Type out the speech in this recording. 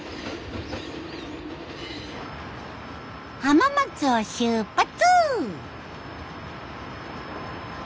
浜松を出発！